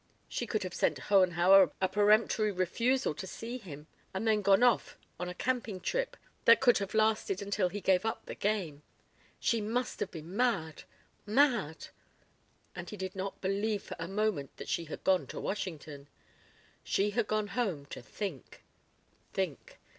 She could have sent Hohenhauer a peremptory refusal to see him and then gone off on a camping trip that could have lasted until he gave up the game. She must have been mad mad. And he did not believe for a moment that she had gone to Washington. She had gone home to think think.